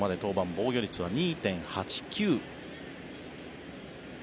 防御率は２．８９。